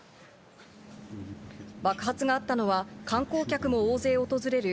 爆発があったのは観光客も大勢訪れる